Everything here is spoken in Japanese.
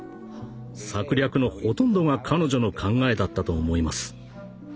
策略のほとんどが彼女の考えだったと思います。